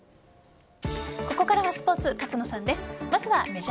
ここからはスポーツ勝野さんです。